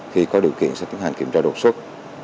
khi có điều kiện sẽ tiến hành kiểm tra đột xuất